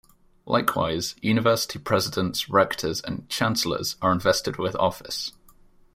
Likewise, university presidents, rectors and chancellors are invested with office.